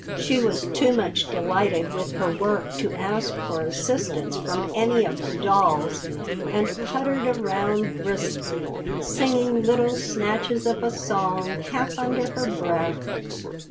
She was too much delighted with her work to ask for assistance from any of the dolls, and puttered around briskly, singing little snatches of a song half under her breath.